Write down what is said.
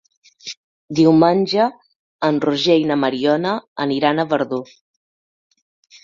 Diumenge en Roger i na Mariona aniran a Verdú.